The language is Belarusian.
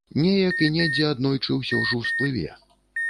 Неяк і недзе аднойчы ўсё ж усплыве.